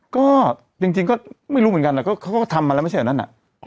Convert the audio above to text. ก็จริงก็ไม่รู้เหมือนกันนะก็ทำมันไม่ใช่อันนั้น